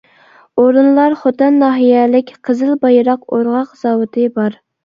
ئورۇنلار خوتەن ناھىيەلىك قىزىل بايراق ئورغاق زاۋۇتى بار.